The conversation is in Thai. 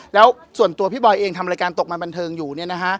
แล้วส่วนตัวพี่บอยเองทำรายการตกมันบันเทิงอยู่เนี่ยนะฮะ